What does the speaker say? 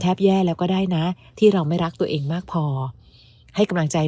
แย่แล้วก็ได้นะที่เราไม่รักตัวเองมากพอให้กำลังใจ